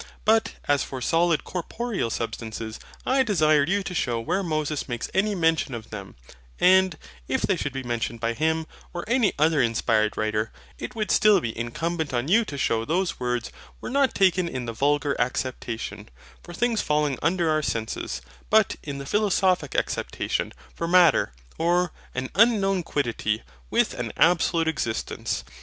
But as for solid corporeal substances, I desire you to show where Moses makes any mention of them; and, if they should be mentioned by him, or any other inspired writer, it would still be incumbent on you to shew those words were not taken in the vulgar acceptation, for things falling under our senses, but in the philosophic acceptation, for Matter, or AN UNKNOWN QUIDDITY, WITH AN ABSOLUTE EXISTENCE.